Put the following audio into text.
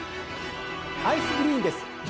アイスグリーンです。